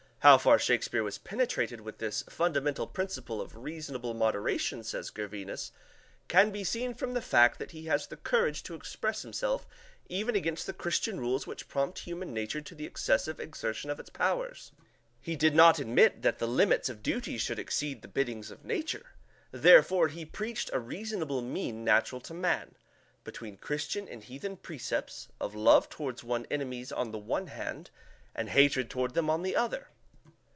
How far Shakespeare was penetrated with this fundamental principle of reasonable moderation, says Gervinus, can be seen from the fact that he has the courage to express himself even against the Christian rules which prompt human nature to the excessive exertion of its powers. He did not admit that the limits of duties should exceed the biddings of Nature. Therefore he preached a reasonable mean natural to man, between Christian and heathen precepts, of love toward one's enemies on the one hand, and hatred toward them on the other.